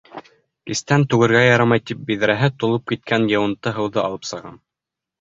Кистән түгергә ярамай тип, биҙрәһе тулып киткән йыуынты һыуҙы алып сығам.